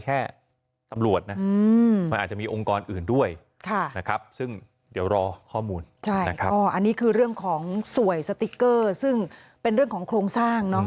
อันนี้คือเรื่องของสวยสติ๊กเกอร์ซึ่งเป็นเรื่องของโครงสร้างเนอะ